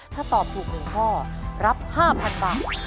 ถ้าตอบถูก๑ข้อรับ๕๐๐๐บาท